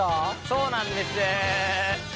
そうなんです。